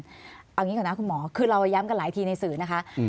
เอาอย่างนี้ก่อนนะคุณหมอคือเราย้ำกันหลายทีในสื่อนะคะ